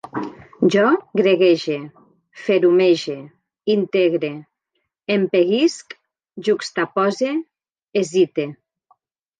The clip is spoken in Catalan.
Jo greguege, ferumege, integre, empeguisc, juxtapose, hesite